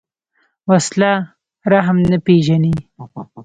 وسله رحم نه پېژني